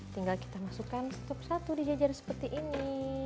tinggal kita masukkan stop satu di jajan seperti ini